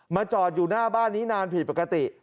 จอดอยู่หน้าบ้านนี้นานผิดปกติ